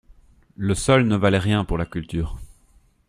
Le sol ne valait rien pour la culture.